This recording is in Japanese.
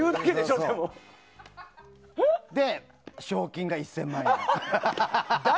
で、賞金が１０００万円。